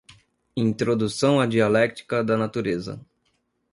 Introdução à "Dialéctica da Natureza"